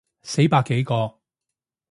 死百幾個